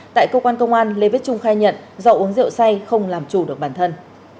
tại cơ quan công an lê viết trung khai nhận do uống rượu say không làm chủ được bản thân